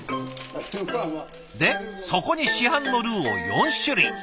でそこに市販のルーを４種類。